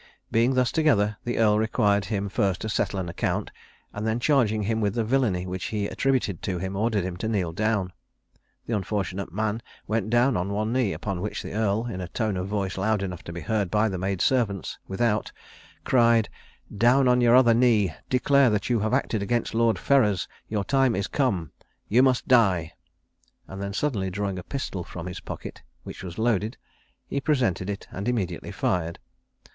Being thus together, the earl required him first to settle an account, and then charging him with the villany which he attributed to him, ordered him to kneel down. The unfortunate man went down on one knee; upon which the earl, in a tone of voice loud enough to be heard by the maid servants without, cried, "Down on your other knee; declare that you have acted against Lord Ferrers; your time is come you must die:" and then suddenly drawing a pistol from his pocket, which was loaded, he [Illustration: Lord Ferrers shooting his Steward.] presented it and immediately fired.